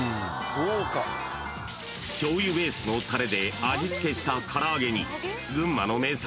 ［しょうゆベースのたれで味付けした唐揚げに群馬の名産